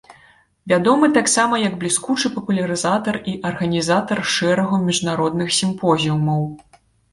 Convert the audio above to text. Вядомы таксама як бліскучы папулярызатар і арганізатар шэрагу міжнародных сімпозіумаў.